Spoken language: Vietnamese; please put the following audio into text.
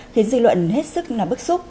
khiến dư luận hết sức bức xúc